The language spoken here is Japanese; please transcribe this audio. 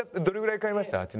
どれぐらい買いました？